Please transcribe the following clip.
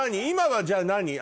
今はじゃあ何？